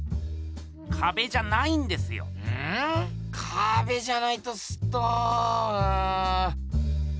かべじゃないとすっとうん。